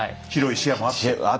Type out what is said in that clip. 視野があって。